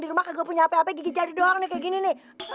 di rumah kagak punya hp apa gigi jari doang nih kayak gini nih